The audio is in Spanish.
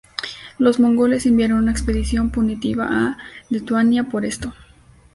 Los mongoles enviaron una expedición punitiva a Lituania por esto.